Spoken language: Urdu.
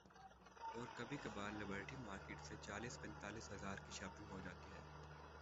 اورکبھی کبھار لبرٹی مارکیٹ سے چالیس پینتالیس ہزار کی شاپنگ ہو جاتی ہے۔